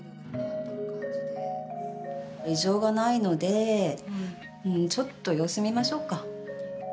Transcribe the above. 異常がないのでちょっと様子、見ましょうか。